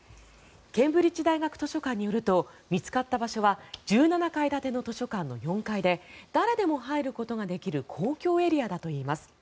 ケンブリッジ大学図書館によると見つかった場所は１７階建ての図書館の４階で誰でも入ることができる公共エリアだといいます。